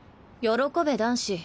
喜べ男子。